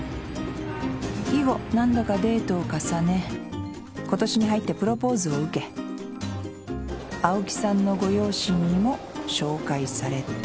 以後何度かデートを重ね今年に入ってプロポーズを受け青木さんのご両親にも紹介された」